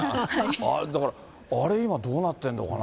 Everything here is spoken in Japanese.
あれ、だから、あれ今、どうなってんのかな。